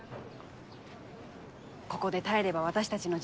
ここで耐えれば私たちの時代が来る。